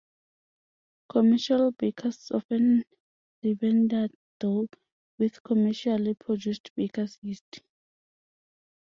Commercial bakers often leaven their dough with commercially produced baker's yeast.